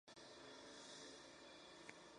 Se ubicó en la posición No.